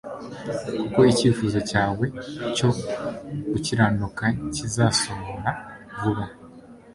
kuko icyifuzo cyawe cyo gukiranuka kizasohora vuba